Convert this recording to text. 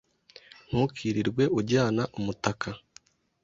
Ntukirirwe ujyana umutaka.